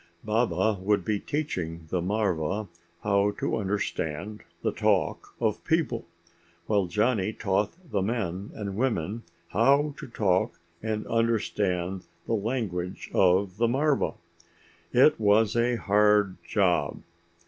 Baba would be teaching the marva how to understand the talk of people, while Johnny taught the men and women how to talk and understand the language of the marva. It was a hard job.